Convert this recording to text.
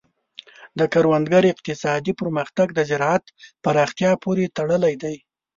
د کروندګر اقتصادي پرمختګ د زراعت پراختیا پورې تړلی دی.